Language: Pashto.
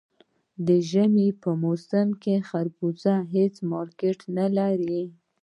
د ژمي په موسم کې خربوزه هېڅ مارکېټ نه لري.